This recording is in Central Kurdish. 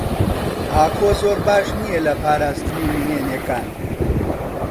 ئاکۆ زۆر باش نییە لە پاراستنی نهێنییەکان.